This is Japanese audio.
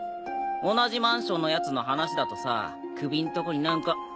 同じマンションのやつの話だとさ首んとこに何か。